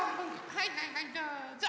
はいはいはいどうぞ！